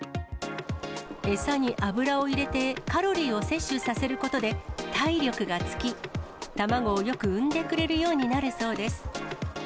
餌に油を入れて、カロリーを摂取させることで、体力がつき、卵をよく産んでくれるようになるそうです。